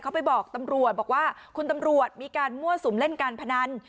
เขาไปบอกตำรวจบอกว่าคุณตำรวจมีการมั่วสุมเล่นการพนัน